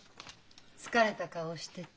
疲れた顔してた。